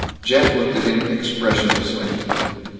Jeff looked at him expressionlessly.